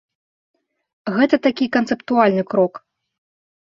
Гэта такі канцэптуальны крок.